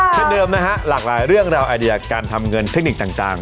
เช่นเดิมนะฮะหลากหลายเรื่องราวไอเดียการทำเงินเทคนิคต่าง